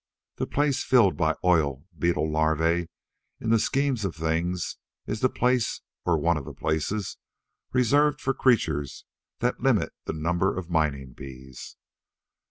The place filled by oil beetle larvae in the scheme of things is the place or one of the places reserved for creatures that limit the number of mining bees.